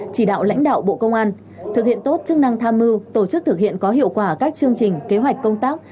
chỉ đạo lãnh đạo bộ công an thực hiện tốt chức năng tham mưu tổ chức thực hiện có hiệu quả các chương trình kế hoạch công tác